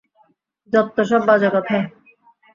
যত্তসব বাজে কথা!